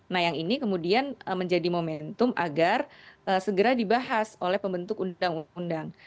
nah yang ini kemudian menjadi momentum agar segera dibahas oleh pembentuk undang undang